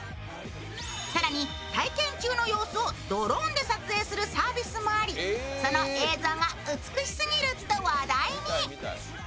更に体験中の様子をドローンで撮影するサービスもありその映像が美しすぎると話題に。